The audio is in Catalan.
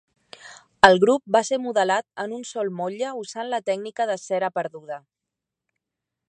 El grup va ser modelat en un sol motlle usant la tècnica de cera perduda.